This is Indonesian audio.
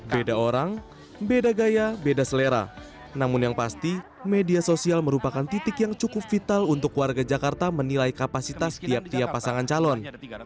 beda orang beda gaya beda selera namun yang pasti media sosial merupakan titik yang cukup vital untuk warga jakarta menilai kapasitas tiap tiap pasangan calon